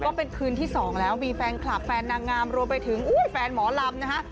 ก็เป็นคืนที่สองแล้วมีแฟนคลับแฟนนางงามรวมไปถึงแฟนหมอลำนะฮะ